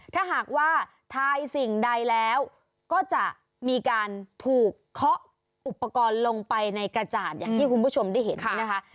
ถ้าหากว่าทายสิ่งใดแล้วก็จะมีการถูกเคาะอุปกรณ์ลงไปในกระจาดอย่างที่คุณผู้ชมได้เห็นนี่นะคะ